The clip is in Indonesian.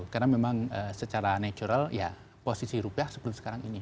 karena memang secara natural ya posisi rupiah seperti sekarang ini